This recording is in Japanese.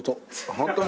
ホントに？